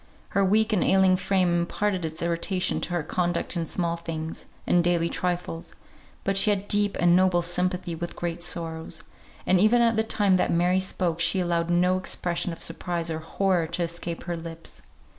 Her weak and ailing frame imparted its irritation to her conduct in small things, and daily trifles; but she had deep and noble sympathy with great sorrows, and even at the time that Mary spoke she allowed no expression of surprise or horror to escape her lips.